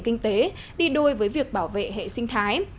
phát triển kinh tế đi đôi với việc bảo vệ hệ sinh thái